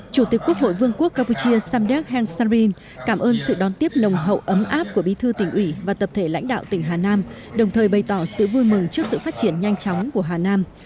chủ tịch quốc hội vương quốc campuchia samdek heng samrin cảm ơn sự đón tiếp nồng hậu ấm áp của bí thư tỉnh ủy và tập thể lãnh đạo tỉnh hà nam đồng thời bày tỏ sự vui mừng trước sự phát triển nhanh chóng của hà nam